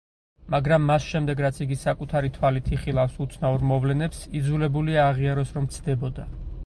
მაგრამ მას შემდეგ, რაც იგი საკუთარი თვალით იხილავს უცნაურ მოვლენებს, იძულებულია აღიაროს, რომ ცდებოდა.